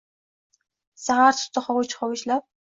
Zahar tutdi hovuch-hovuchlab.